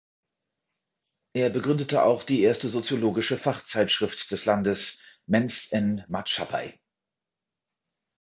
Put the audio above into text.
Er begründete auch die erste soziologische Fachzeitschrift des Landes, "Mens en Maatschappij".